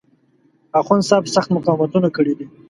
اخوندصاحب سخت مقاومتونه کړي دي.